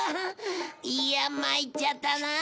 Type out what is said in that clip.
いやまいっちゃったなあ。